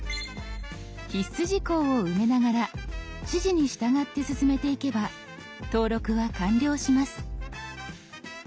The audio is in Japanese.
必須事項を埋めながら指示に従って進めていけば登録は完了します。